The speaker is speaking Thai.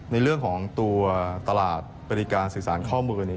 ในเรื่องของตัวตลาดบริการสื่อสารข้อมูลเนี่ย